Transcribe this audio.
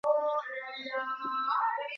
kinywa hawajakula chochote na kadhalika